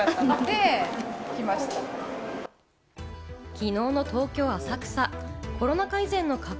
昨日の東京・浅草。